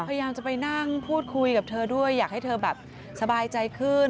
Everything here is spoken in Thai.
พยายามจะไปนั่งพูดคุยกับเธอด้วยอยากให้เธอแบบสบายใจขึ้น